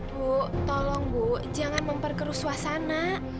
bu tolong bu jangan memperkeruswa sana